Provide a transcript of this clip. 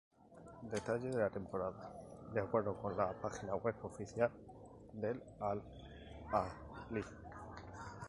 Detalle de la temporada: De acuerdo con la página web oficial del Al-Ahly